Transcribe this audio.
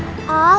oh gitu oma